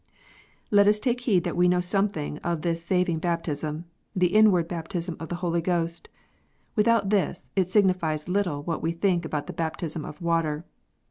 Let us take heed that we know something of this saving baptism, the inward baptism of the Holy Ghost. Without this it signifies little what we think about the baptism of water.